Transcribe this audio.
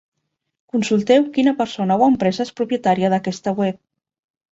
Consulteu quina persona o empresa és propietària d'aquesta web.